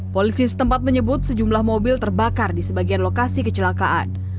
polisi setempat menyebut sejumlah mobil terbakar di sebagian lokasi kecelakaan